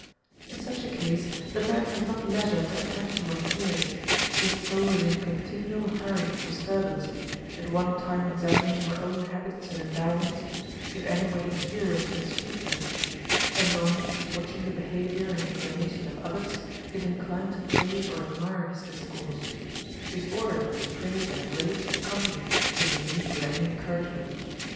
In such a case, the man has not leisure to attend to what he hears ; his soul is in continual hurry and disturbance, at one time examining her own habits and endowments, if any way inferior to the speaker ; anon, watching the behavior and inclination of others, if inclined to praise or admire his discourse ; disordered at the praise and enraged at the company, if he meet with any encouragement.